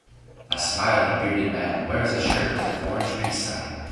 A smiling bearded man wears a shirt with an orange peace sign